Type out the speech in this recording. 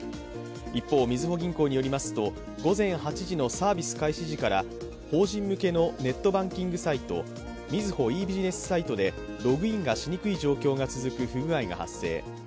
一方、みずほ銀行によりますと午前８時のサービス開始時から法人向けのネットバンキングサイト、みずほｅ−ビジネスサイトでログインがしにくい状況が続く不具合が発生。